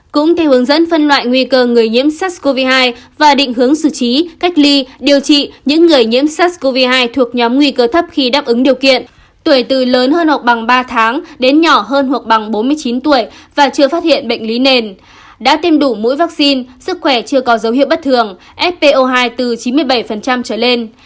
cũng theo hướng dẫn phân loại nguy cơ người nhiễm sars cov hai và định hướng sử trí cách ly điều trị những người nhiễm sars cov hai thuộc nhóm nguy cơ thấp khi đáp ứng điều kiện tuổi từ lớn hơn hoặc bằng ba tháng đến nhỏ hơn hoặc bằng bốn mươi chín tuổi và chưa phát hiện bệnh lý nền đã tiêm đủ mũi vaccine sức khỏe chưa có dấu hiệu bất thường fpo hai từ chín mươi bảy trở lên